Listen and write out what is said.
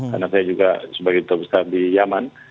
karena saya juga sebagai duta besar di yaman